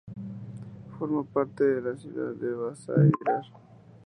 Forma parte de la ciudad de Vasai-Virar.